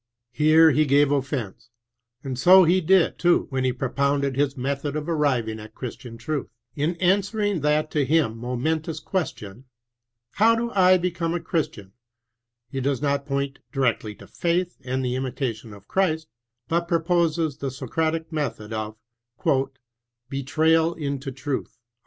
Here he gave offence, and so he did, too, when he propounded his method of airiving at Chris tian truth. In answering that to him mo mentous question. How do I become a Chris tian? he does not point directly to faith and the imitation of Christ, but proposes the Socratic method of ''betrayal mto truth."